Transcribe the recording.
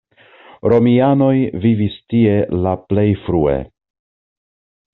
Romianoj vivis tie la plej frue.